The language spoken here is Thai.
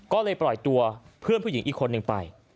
ก็เลยปล่อยตัวเพื่อนผู้หญิงอีกคนนึงไป